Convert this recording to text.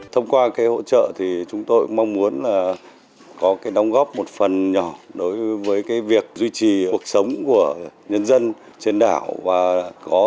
thông qua hỗ trợ chúng tôi mong muốn có đóng góp một phần nhỏ đối với việc duy trì cuộc sống của nhân dân trên đảo